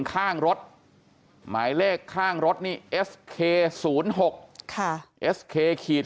ข้างรถหมายเลขข้างรถนี่เอสเค๐๖เอสเคขีด